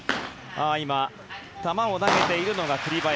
今、球を投げているのが栗林。